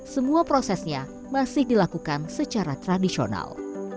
semua prosesnya masih dilakukan secara tradisional